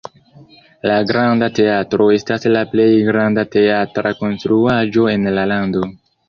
La Granda Teatro estas la plej granda teatra konstruaĵo en la lando.